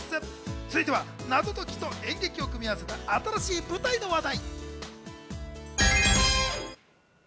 続いては謎解きと演劇を組み合わせた新しい舞台の話題。